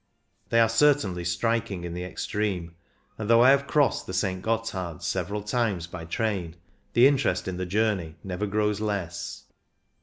They are certainly striking in the extreme, and though I have crossed the St. Gotthard several times by train, the interest in the journey never grows less.